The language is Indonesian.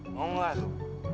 mau gak lo